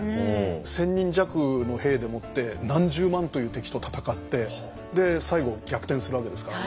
１，０００人弱の兵でもって何十万という敵と戦って最後逆転するわけですから。